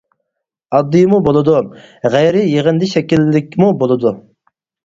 ئاددىيمۇ بولىدۇ، غەيرىي يىغىندى شەكىللىكمۇ بولىدۇ.